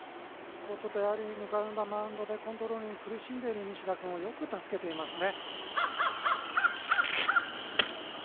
ぬかるんだマウンドでコントロールに苦しんでいる西田君をよく助けていますね。